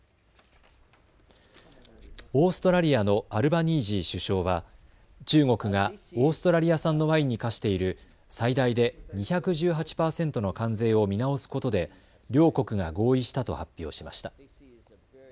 オーストラリアのアルバニージー首相は中国がオーストラリア産のワインに課している最大で２１８％の関税を見直すことで両国が合意したと発表しました。